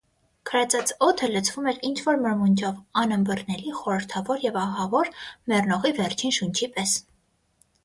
Քարացած օդը լցվում էր ինչ-որ մրմունջով անըմբռնելի, խորհրդավոր և ահավոր, մեռնողի վերջին շունչի պես: